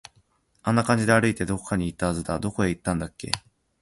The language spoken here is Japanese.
あんな感じで歩いて、どこかに行ったはずだ。どこに行ったんだっけ